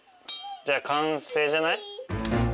じゃあ完成じゃない？